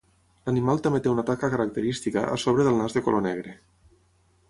L'animal també té una taca característica a sobre del nas de color negre.